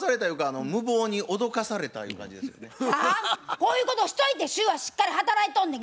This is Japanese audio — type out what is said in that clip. こういうことをしといて主婦はしっかり働いとんねん。